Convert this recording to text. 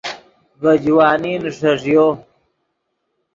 ڤے جوانی نیݰݱیو